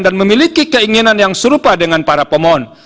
dan memiliki keinginan yang serupa dengan para pemohon